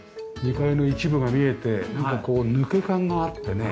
２階の一部が見えてなんかこう抜け感があってね